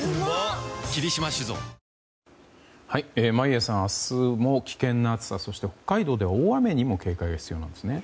眞家さん明日も危険な暑さそして北海道で大雨にも警戒が必要なんですね。